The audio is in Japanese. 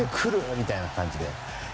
みたいな感じで。